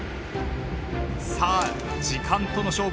さあ時間との勝負です。